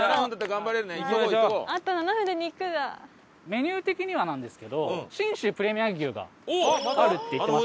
メニュー的にはなんですけど信州プレミアム牛があるって言ってました。